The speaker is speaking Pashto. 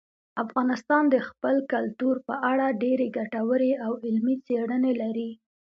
افغانستان د خپل کلتور په اړه ډېرې ګټورې او علمي څېړنې لري.